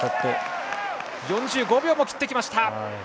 ４５秒を切ってきました。